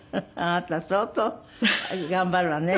あなた相当頑張るわね。